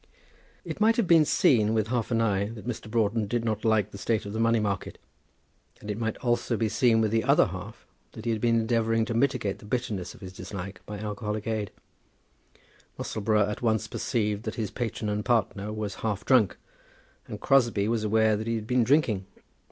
It might have been seen, I said, with half an eye, that Mr. Broughton did not like the state of the money market; and it might also be seen with the other half that he had been endeavouring to mitigate the bitterness of his dislike by alcoholic aid. Musselboro at once perceived that his patron and partner was half drunk, and Crosbie was aware that he had been drinking.